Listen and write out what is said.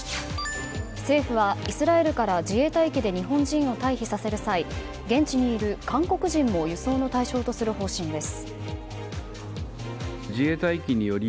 政府はイスラエルから自衛隊機で日本人を退避させる際現地にいる韓国人も輸送の対象とする方針です。